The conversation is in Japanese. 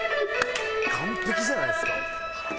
完璧じゃないですか？